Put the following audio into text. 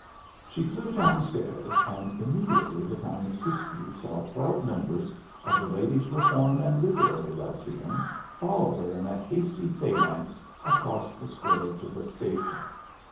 She flew down stairs, and immediately the town of Siskiyou saw twelve members of the Ladies' Reform and Literary Lyceum follow her in a hasty phalanx across the square to the station.